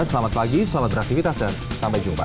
selamat pagi selamat beraktivitas dan sampai jumpa